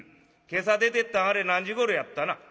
今朝出てったんあれ何時ごろやったな」。